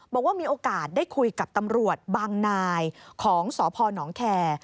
บอกว่ามีโอกาสได้คุยกับตำรวจบางนายของสพนแคร์